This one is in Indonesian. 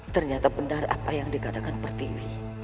ternyata benar apa yang dikatakan pertiwi